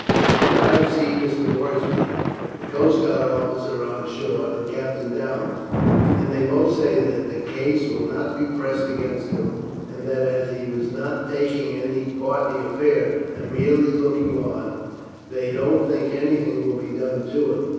But I have seen Mr. Moorsby, the coast guard officer on shore, and Captain Downes, and they both say that the case will not be pressed against him, and that, as he was not taking any part in the affair, and merely looking on, they don't think anything will be done to him.